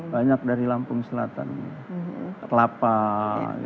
banyak dari lampung selatan kelapa gitu ya